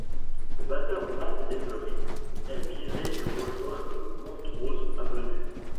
Le batteur Matt Everitt est viré et rejoint The Montrose Avenue.